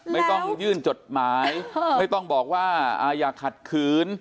ไม่ต้องยื่นจดหมายไม่ต้องบอกว่าอย่าขัดขืน